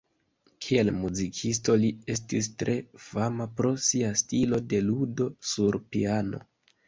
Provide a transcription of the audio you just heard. Kiel muzikisto li estis tre fama pro sia stilo de ludo sur piano.